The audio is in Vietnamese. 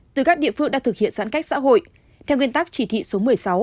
từ các địa phương đã thực hiện giãn cách xã hội theo nguyên tắc chỉ thị số một mươi sáu